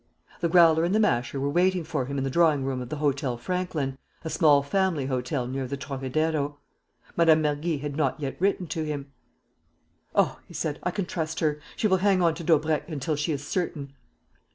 The Growler and the Masher were waiting for him in the drawing room of the Hôtel Franklin, a small family hotel near the Trocadero. Mme. Mergy had not yet written to him. "Oh," he said, "I can trust her! She will hang on to Daubrecq until she is certain."